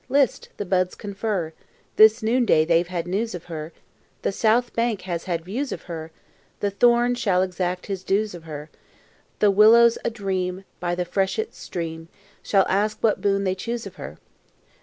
list! The buds confer. This noonday they've had news of her; The south bank has had views of her; The thorn shall exact his dues of her; The willows adream By the freshet stream Shall ask what boon they choose of her.